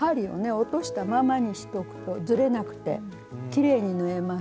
落としたままにしとくとずれなくてきれいに縫えます。